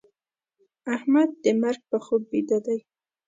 احمد د مرګ په خوب بيده دی.